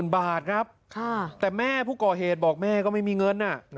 บาทครับแต่แม่ผู้ก่อเหตุบอกแม่ก็ไม่มีเงิน